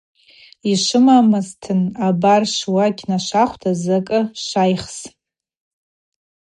Йшвымамызтын – абар, сшвокь нашвахвта закӏы швайхс.